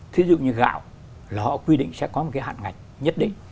thí dụ như gạo là họ quy định sẽ có một cái hạn ngạch nhất định